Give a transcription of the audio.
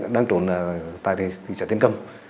đang trốn tại thị trạng tiến cầm